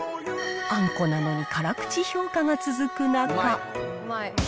あんこなのに辛口評価が続く中。